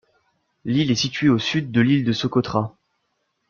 L'île est située au sud de l'île de Socotra.